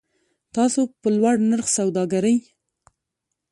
تاسو په لوړ نرخ سودا کړی